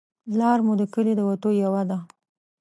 لار مو د کلي د وتو یوه ده